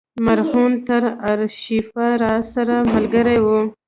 مرهون تر آرشیفه راسره ملګری و.